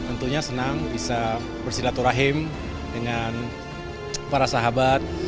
dan tentunya senang bisa bersilaturahmi dengan para sahabat